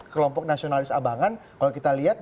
kelompok nasionalis abangan kalau kita lihat